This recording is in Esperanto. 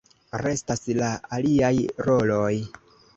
Restas la aliaj roloj.